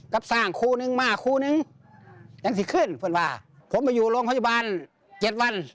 กับส้ามคุณึงมาคุณึงอย่างสิขึ้นคุณว่าผมบ่อยู่โรงโฮยบาลเจ็ดวัน